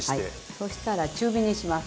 そしたら中火にします。